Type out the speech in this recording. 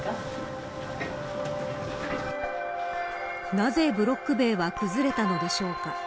なぜブロック塀は崩れたのでしょうか。